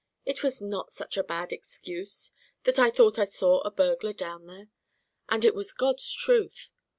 It was not such a bad excuse, that I thought I saw a burglar down there, and it was God's truth.